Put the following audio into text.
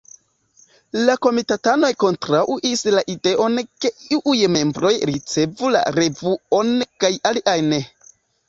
La komitatanoj kontraŭis la ideon ke iuj membroj ricevu la revuon kaj aliaj ne.